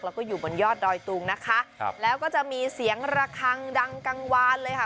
แล้วก็อยู่บนยอดดอยตุงนะคะครับแล้วก็จะมีเสียงระคังดังกลางวานเลยค่ะ